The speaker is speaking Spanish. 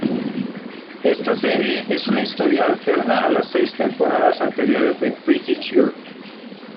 Esta serie es una historia alterna a las seis temporadas anteriores de Pretty Cure.